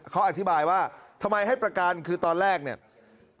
เขาอธิบายว่าทำไมให้ประกันคือตอนแรกเนี่ย